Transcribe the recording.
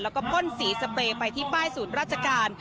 แล้วก็พ่นสีสเปรย์ไปที่ป้ายศูนย์ราชการ